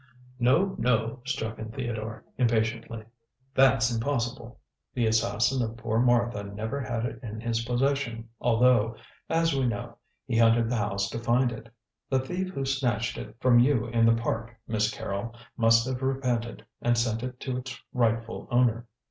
"No, no!" struck in Theodore impatiently; "that's impossible. The assassin of poor Martha never had it in his possession, although, as we know, he hunted the house to find it. The thief who snatched it from you in the Park, Miss Carrol, must have repented and sent it to its rightful owner."